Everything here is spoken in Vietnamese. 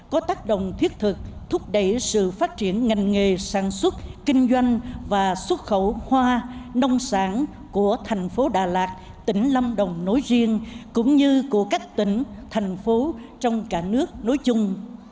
có tác động thiết thực thúc đẩy sự phát triển ngành nghề sản xuất kinh doanh và xuất khẩu hoa nông sản của thành phố đà lạt tỉnh lâm đồng nối riêng cũng như của các tỉnh thành phố trong cả nước nói chung